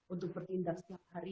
untuk berpindah setiap hari